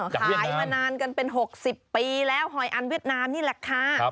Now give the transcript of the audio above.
ขายมานานกันเป็น๖๐ปีแล้วหอยอันเวียดนามนี่แหละค่ะ